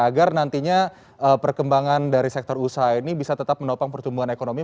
agar nantinya perkembangan dari sektor usaha ini bisa tetap menopang pertumbuhan ekonomi